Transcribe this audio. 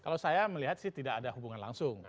kalau saya melihat sih tidak ada hubungan langsung